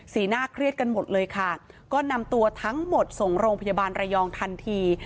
หน้าเครียดกันหมดเลยค่ะก็นำตัวทั้งหมดส่งโรงพยาบาลระยองทันที